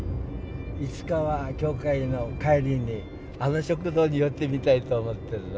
いつかは教会の帰りにあの食堂に寄ってみたいと思ってるの。